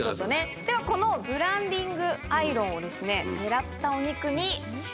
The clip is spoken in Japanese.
ではこのブランディングアイロンを狙ったお肉に。